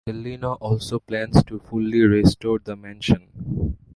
Cellino also plans to fully restore the mansion.